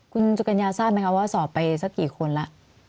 คุณสุกัญญาทราบไหมคะว่าสอบไปสักกี่คนแล้ว